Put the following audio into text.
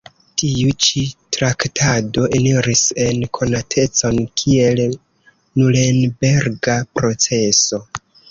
Tiu ĉi traktado eniris en konatecon kiel Nurenberga proceso.